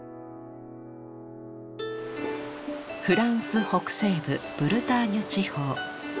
フランス北西部ブルターニュ地方。